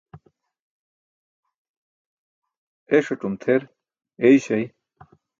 Eṣatum tʰer eyśay.